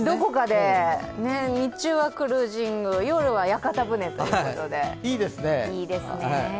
日中はクルージング、夜は屋形船ということで、いいですね。